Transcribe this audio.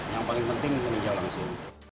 yang paling penting kerja langsung